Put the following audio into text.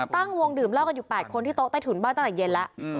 ตั้งวงดื่มเหล้ากันอยู่๘คนที่โต๊ะใต้ถุนบ้านตั้งแต่เย็นแล้ว